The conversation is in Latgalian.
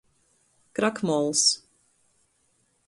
Krakmols.